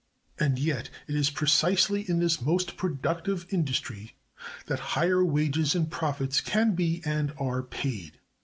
And yet it is precisely in the most productive industries that higher wages and profits can be, and are, paid.